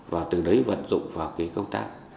và từ đấy vận dụng vào cái công tác